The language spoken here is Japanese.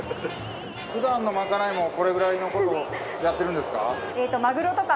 ふだんのまかないもこれくらいのことやってるんですか？